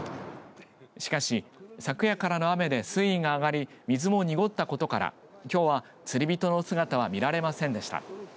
しかし、昨夜からの雨で水位が上がり水も濁ったことから、きょうは釣り人の姿は見られませんでした。